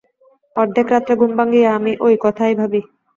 অর্ধেক রাত্রে ঘুম ভাঙিয়া আমি ঐ কথাই ভাবি।